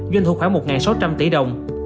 doanh thu khoảng một sáu trăm linh tỷ đồng